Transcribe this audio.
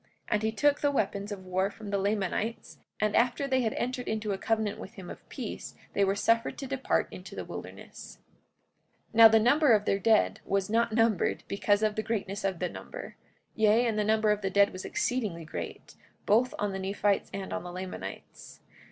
And he took the weapons of war from the Lamanites; and after they had entered into a covenant with him of peace they were suffered to depart into the wilderness. 44:21 Now the number of their dead was not numbered because of the greatness of the number; yea, the number of their dead was exceedingly great, both on the Nephites and on the Lamanites.